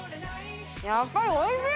やっぱりおいしい！